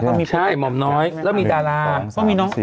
ใช่หม่อมน้อยแล้วมีดาราณ